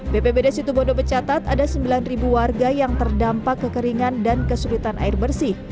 bpbd situbondo mencatat ada sembilan warga yang terdampak kekeringan dan kesulitan air bersih